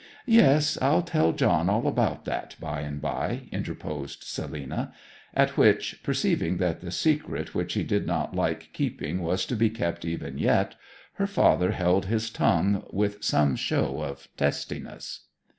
'Yes, I'll tell John all about that by and by!' interposed Selina; at which, perceiving that the secret which he did not like keeping was to be kept even yet, her father held his tongue with some show of testiness.